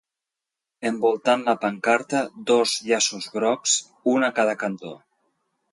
Envoltant la pancarta, dos llaços grocs, un a cada cantó.